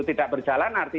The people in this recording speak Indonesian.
tidak berjalan efektif